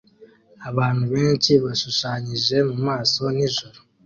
Abantu benshi bashushanyije mu maso nijoro